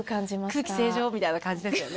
空気清浄みたいな感じですよね。